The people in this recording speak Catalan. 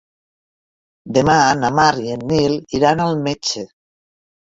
Demà na Mar i en Nil iran al metge.